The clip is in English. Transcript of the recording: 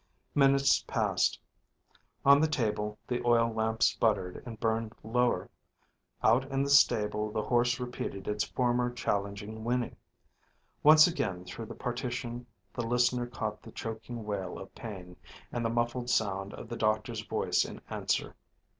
Minutes passed. On the table the oil lamp sputtered and burned lower. Out in the stable the horse repeated its former challenging whinny. Once again through the partition the listener caught the choking wail of pain, and the muffled sound of the doctor's voice in answer.